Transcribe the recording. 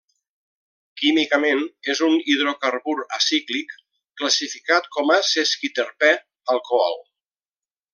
Químicament és un hidrocarbur acíclic, classificat com a sesquiterpè alcohol.